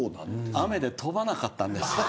雨で飛ばなかったんですよ。